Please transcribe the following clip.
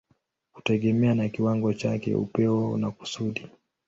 kutegemea na kiwango chake, upeo na kusudi.